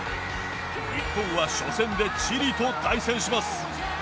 日本は初戦でチリと対戦します。